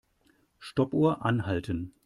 Stoppuhr anhalten.